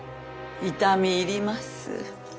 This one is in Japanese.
痛み入ります。